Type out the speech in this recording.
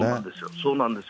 そうなんですよ。